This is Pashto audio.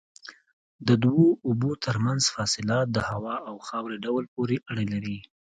د دوو اوبو ترمنځ فاصله د هوا او خاورې ډول پورې اړه لري.